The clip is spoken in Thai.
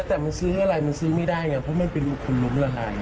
แต่มันซื้ออะไรมันซื้อไม่ได้ไงเพราะมันเป็นคนล้มละลาย